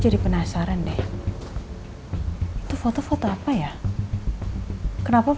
dari bulan bak onda